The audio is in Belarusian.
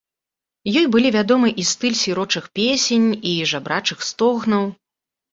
Ёй былі вядомы і стыль сірочых песень і жабрачых стогнаў.